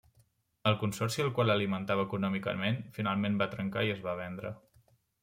El consorci al qual alimentava econòmicament finalment va trencar i es va vendre.